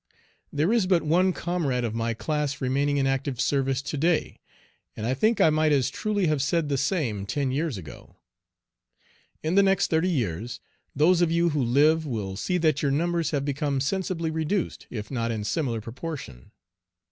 There is but one comrade of my class remaining in active service to day, and I think I might as truly have said the same ten years ago. In the next thirty years, those of you who live will see that your numbers have become sensibly reduced, if not in similar proportion.